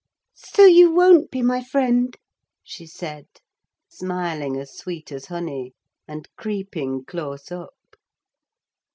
"So you won't be my friend?" she said, smiling as sweet as honey, and creeping close up.